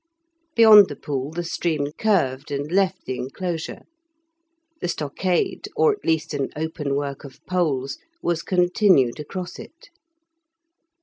Beyond the pool the stream curved and left the enclosure; the stockade, or at least an open work of poles, was continued across it.